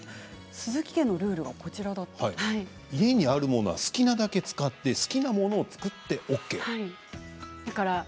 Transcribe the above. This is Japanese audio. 鈴木家のルールが家にあるもの好きなだけ使って好きなものを作ってＯＫなんですね。